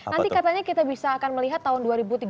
nanti katanya kita bisa akan melihat tahun dua ribu tiga puluh